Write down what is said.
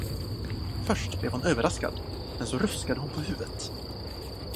Först blev hon överraskad, men så ruskade hon på huvudet.